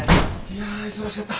いやあ忙しかった。